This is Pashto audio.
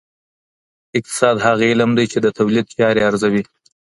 اقتصاد هغه علم دی چي د تولید چاري ارزوي.